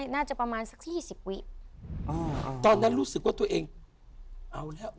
น่าจะประมาณสักยี่สิบวิอ่าตอนนั้นรู้สึกว่าตัวเองเอาแล้ว